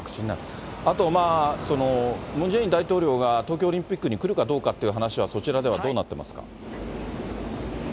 あと、ムン・ジェイン大統領が東京オリンピックに来るかどうかという話は、そちらではどうなってますか？